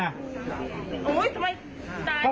เขาอยู่ในบ้านอ่ะ